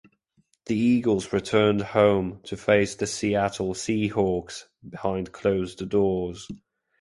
The Eagles returned home to face the Seattle Seahawks behind closed doors.